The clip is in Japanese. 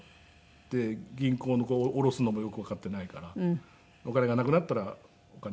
で銀行の下ろすのもよくわかっていないからお金がなくなったらお金くださいっていう。